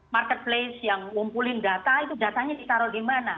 marketplace yang ngumpulin data itu datanya ditaruh di mana